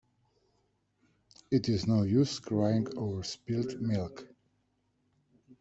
It is no use crying over spilt milk.